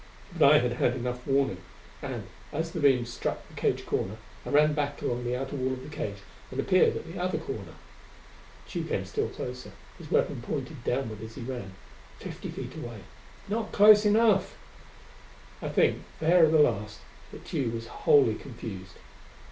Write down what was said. But I had had enough warning, and, as the beam struck the cage corner, I ran back along the outer wall of the cage and appeared at the other corner. Tugh came still closer, his weapon pointed downward as he ran. Fifty feet away. Not close enough! I think, there at the last, that Tugh was wholly confused.